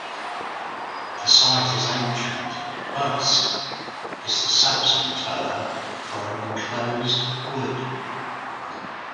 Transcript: The site is ancient; "hurst" is the Saxon term for an enclosed wood.